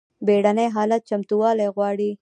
بیړني حالات چمتووالی غواړي